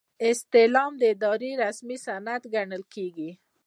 استعلام د ادارې رسمي سند ګڼل کیږي.